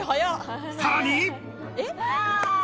さらに。